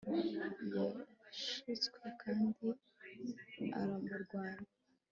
Yashutswe kandi aramurwanya